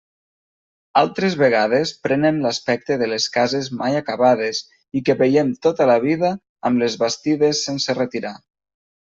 Altres vegades prenen l'aspecte de les cases mai acabades i que veiem tota la vida amb les bastides sense retirar.